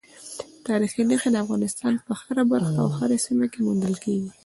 تاریخي نښې د افغانستان په هره برخه او هره سیمه کې موندل کېږي.